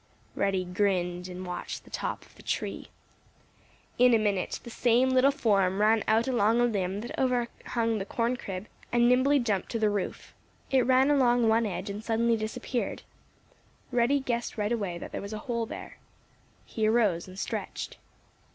Reddy grinned and watched the top of the tree. In a minute the same little form ran out along a limb that overhung the corn crib and nimbly jumped to the roof. It ran along one edge and suddenly disappeared. Reddy guessed right away that there was a hole there. He arose and stretched.